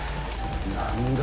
何だ？